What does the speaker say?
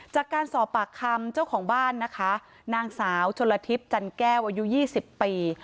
จากการสอบปากคำเจ้าของบ้านนะคะนางสาวชนลทิพย์จันแก้วอายุ๒๐ปี